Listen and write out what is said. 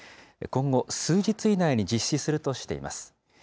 今後、数日以内に実施するとしています。